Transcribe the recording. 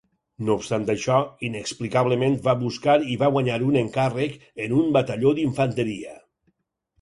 No obstant això, inexplicablement va buscar i va guanyar un encàrrec en un batalló d'infanteria.